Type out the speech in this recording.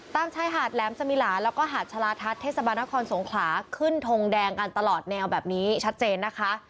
ชายหาดแหลมสมิลาแล้วก็หาดชาลาทัศน์เทศบาลนครสงขลาขึ้นทงแดงกันตลอดแนวแบบนี้ชัดเจนนะคะ